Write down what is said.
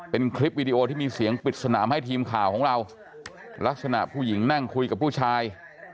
เป็นคลิปวีดีโอที่มีเสียงปิดสนามให้ทีมข่าวของเราลักษณะผู้หญิงนั่งคุยกับผู้ชาย